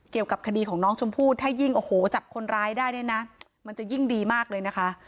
เกี่ยวกับคดีของน้องชมพู่ถ้ายิ่งโอ้โหจับคนร้ายได้เนี่ยนะมันจะยิ่งดีมากเลยนะคะ